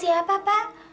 sama siapa pak